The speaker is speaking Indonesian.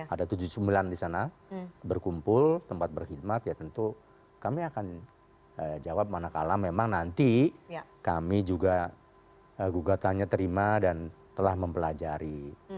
ada tujuh puluh sembilan di sana berkumpul tempat berkhidmat ya tentu kami akan jawab manakala memang nanti kami juga gugatannya terima dan telah mempelajari